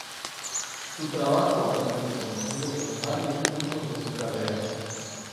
Su trabajo ha sido reconocido en varios puntos de su carrera.